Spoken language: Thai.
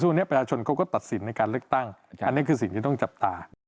นี้ประชาชนเขาก็ตัดสินในการเลือกตั้งอันนี้คือสิ่งที่ต้องจับตา